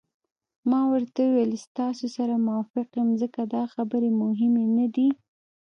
ما ورته وویل: ستاسي سره موافق یم، ځکه دا خبرې مهمې نه دي.